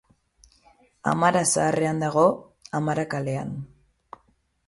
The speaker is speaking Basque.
Amara Zaharrean dago, Amara kalean.